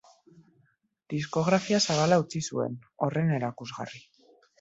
Diskografia zabala utzi zuen, horren erakusgarri.